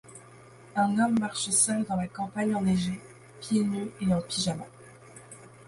Un homme marche seul dans la campagne enneigée, pieds nus et en pyjama.